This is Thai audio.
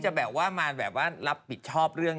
จะบอกเลยนะ